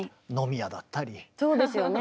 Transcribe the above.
そうですよね。